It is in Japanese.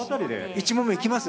１問目いきます？